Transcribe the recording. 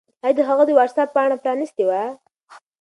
آیا هغه د وټس-اپ پاڼه پرانستې وه؟